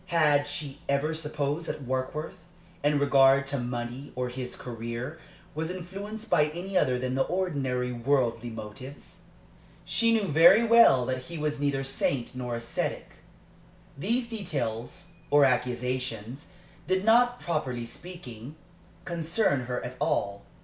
Had she ever supposed that Warkworth, in regard to money or his career, was influenced by any other than the ordinary worldly motives? She knew very well that he was neither saint nor ascetic. These details or accusations did not, properly speaking, concern her at all.